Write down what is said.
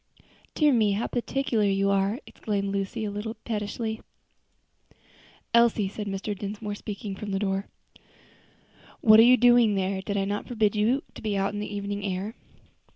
"Dear me, how particular you are!" exclaimed Lucy a little pettishly. "Elsie," said Mr. Dinsmore, speaking from the door, "what are you doing there? Did I not forbid you to be out in the evening air?"